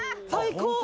最高！